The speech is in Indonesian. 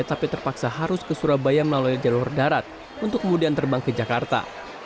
tapi terpaksa harus ke surabaya melalui jalur darat untuk kemudian terbang ke jakarta